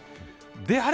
であれ